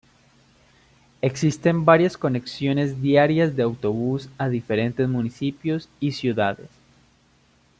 Existen varias conexiones diarias de autobús a diferentes municipios y ciudades.